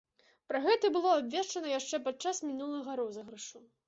Пра гэта было абвешчана яшчэ падчас мінулага розыгрышу.